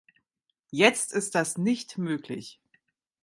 Jetzt ist das nicht möglich.